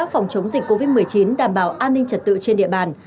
phòng chống dịch covid một mươi chín đảm bảo an ninh trật tự trên địa bàn